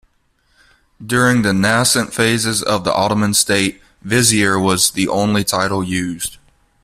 During the nascent phases of the Ottoman state, "Vizier" was the only title used.